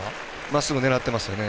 まっすぐ狙ってますよね。